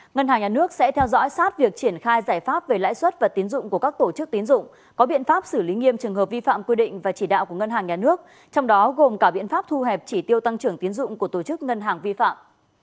ngân hàng nhà nước sẽ theo dõi sát việc triển khai giải pháp về lãi suất và tiến dụng của các tổ chức tiến dụng có biện pháp xử lý nghiêm trường hợp vi phạm quy định và chỉ đạo của ngân hàng nhà nước trong đó gồm cả biện pháp thu hẹp chỉ tiêu tăng trưởng tiến dụng của tổ chức ngân hàng vi phạm